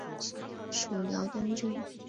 属辽东郡。